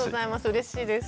うれしいです。